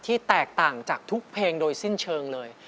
แตกต่างจากทุกเพลงโดยสิ้นเชิงเลย